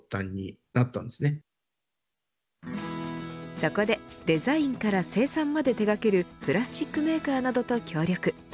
そこでデザインから生産まで手掛けるプラスチックメーカーなどと協力